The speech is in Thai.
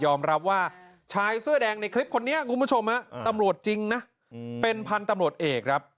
รับว่าชายเสื้อแดงในคลิปคนนี้คุณผู้ชมฮะตำรวจจริงนะเป็นพันธุ์ตำรวจเอกครับ